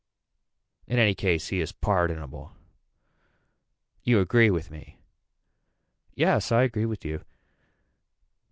In any case he is pardonable. You agree with me. Yes I agree with you.